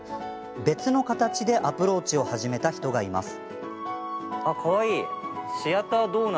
別の形でアプローチを始めた人がいます。